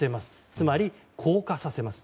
つまり、降下させます。